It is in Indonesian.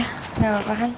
udah gak apa apa kan